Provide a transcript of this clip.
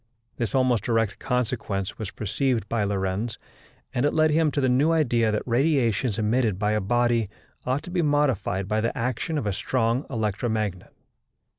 This almost direct consequence was perceived by Lorentz, and it led him to the new idea that radiations emitted by a body ought to be modified by the action of a strong electromagnet.